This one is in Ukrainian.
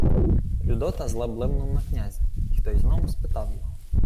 Людота зле блимнув за князя, й той знову спитав його: